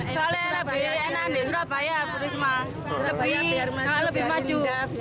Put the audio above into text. soalnya lebih enak di surabaya bu risma lebih maju